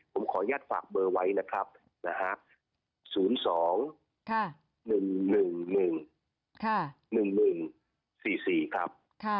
ผมขอยัดฝากเบอร์ไว้นะครับ๐๒๑๑๑๑๑๔๔ครับ